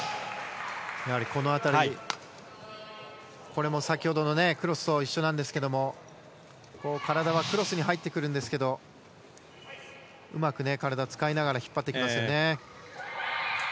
これも先ほどのクロスと一緒なんですが体はクロスに入ってくるんですけどうまく体を使いながら引っ張ってきますね。